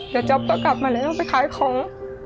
เดี๋ยวจ๊อปก็กลับมาแล้วไปขายของ